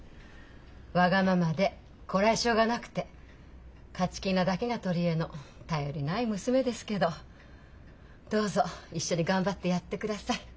わがままでこらえ性がなくて勝ち気なだけが取り柄の頼りない娘ですけどどうぞ一緒に頑張ってやってください。